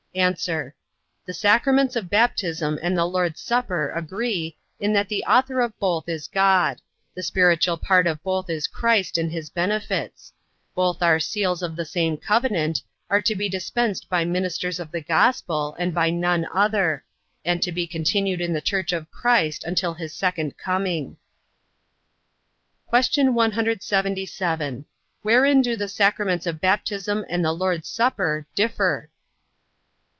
A. The sacraments of baptism and the Lord's supper agree, in that the author of both is God; the spiritual part of both is Christ and his benefits; both are seals of the same covenant, are to be dispensed by ministers of the gospel, and by none other; and to be continued in the church of Christ until his second coming. Q. 177. Wherein do the sacraments of baptism and the Lord's supper differ?